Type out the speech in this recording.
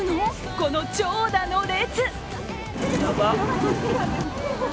この長蛇の列。